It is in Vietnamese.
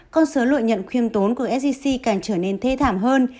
con số lợi nhận khiêm tốn của sgc càng trở nên thê thảm hơn